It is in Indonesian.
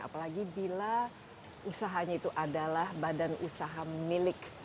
sampai menuntut mudah dengan menyiapkan langganan frisoo yang akan meningkat